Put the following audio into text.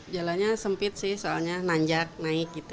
jalannya sempit sih soalnya nanjak naik gitu